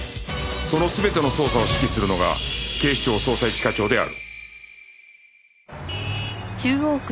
その全ての捜査を指揮するのが警視庁捜査一課長である